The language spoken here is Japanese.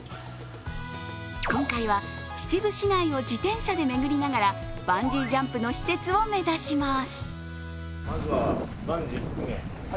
今回は秩父市内を自転車で巡りながらバンジージャンプの施設を目指します。